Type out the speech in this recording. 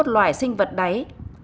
tám mươi một loài sinh vật đáy